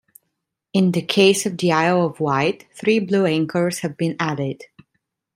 In the case of the Isle of Wight, three blue anchors have been added.